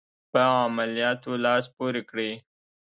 په عملیاتو لاس پوري کړي.